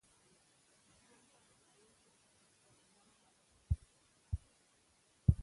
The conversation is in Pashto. هره نښه د زده کوونکو د مهارت څرګندونه وه.